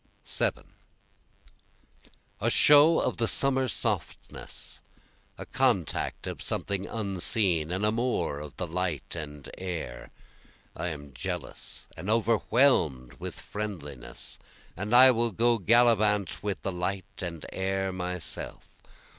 7 A show of the summer softness a contact of something unseen an amour of the light and air, I am jealous and overwhelm'd with friendliness, And will go gallivant with the light and air myself.